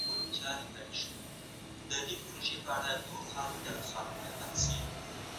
دوی به د غوښتنو د طمعې د ماتولو لپاره له سخاوت څخه ګټه اخیسته.